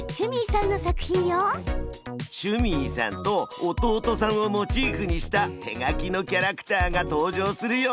Ｃｈｕｍｉｅさんと弟さんをモチーフにした手描きのキャラクターが登場するよ。